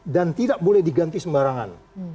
dan tidak boleh diganti sembarangan